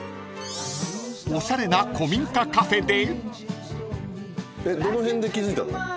［おしゃれな古民家カフェで］